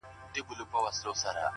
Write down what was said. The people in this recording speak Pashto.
پوهه د شکونو پر ځای رڼا راولي،